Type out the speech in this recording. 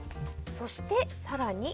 そして、更に。